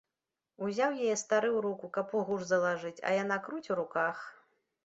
Узяў яе стары ў руку, каб у гуж залажыць, а яна круць у руках.